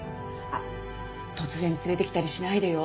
あっ突然連れてきたりしないでよ。